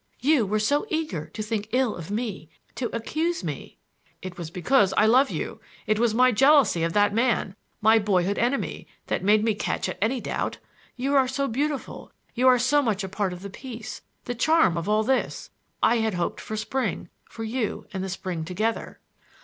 You were so eager to think ill of me—to accuse me!" "It was because I love you; it was my jealousy of that man, my boyhood enemy, that made me catch at any doubt. You are so beautiful,—you are so much a part of the peace, the charm of all this! I had hoped for spring—for you and the spring together!"